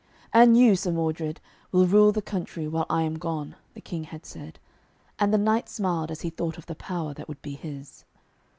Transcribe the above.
'And you, Sir Modred, will rule the country while I am gone,' the King had said. And the knight smiled as he thought of the power that would be his.